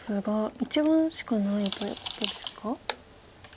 １眼しかないということですか？